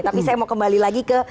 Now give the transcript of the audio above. tapi saya mau kembali lagi ke